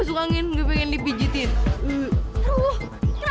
lo semua sengaja yang kerjain kita